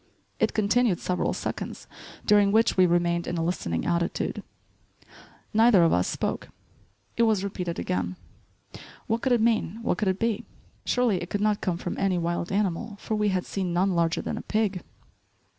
It continued several seconds, during which we remained in a listening attitude. Neither of us spoke. It was repeated again; what could it mean, what could it be? Surely it could not come from any wild animal for we had seen none larger than a pig.